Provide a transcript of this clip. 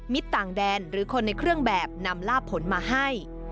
ต่างแดนหรือคนในเครื่องแบบนำลาบผลมาให้